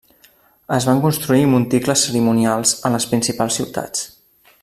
Es van construir monticles cerimonials a les principals ciutats.